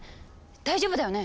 大丈夫だよね？